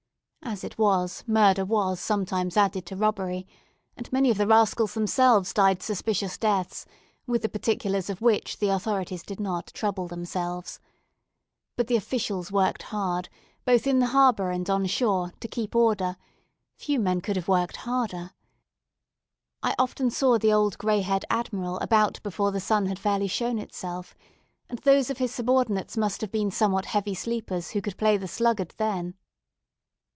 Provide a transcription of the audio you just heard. As it was, murder was sometimes added to robbery, and many of the rascals themselves died suspicious deaths, with the particulars of which the authorities did not trouble themselves. But the officials worked hard, both in the harbour and on shore, to keep order; few men could have worked harder. I often saw the old grey haired Admiral about before the sun had fairly shown itself; and those of his subordinates must have been somewhat heavy sleepers who could play the sluggard then.